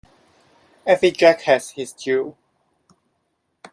Every Jack has his Jill.